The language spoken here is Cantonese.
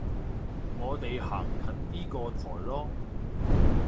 我哋行近啲個台囉